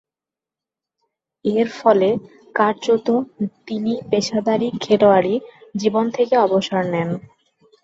এরফলে, কার্যতঃ তিনি পেশাদারী খেলোয়াড়ী জীবন থেকে অবসর নেন।